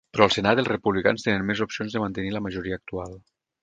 Però al senat els republicans tenen més opcions de mantenir la majoria actual.